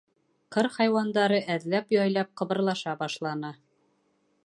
Ҡыр хайуандары әҙләп-яйлап ҡыбырлаша башланы.